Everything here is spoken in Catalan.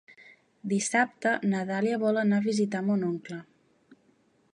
Dissabte na Dàlia vol anar a visitar mon oncle.